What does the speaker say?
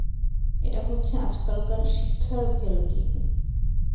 এটা হচ্ছে আজকালকার শিক্ষার ভেলকি।